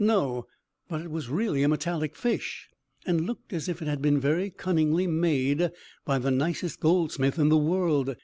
No; but it was really a metallic fish, and looked as if it had been very cunningly made by the nicest goldsmith in the world.